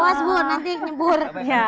awas bu nanti nyembur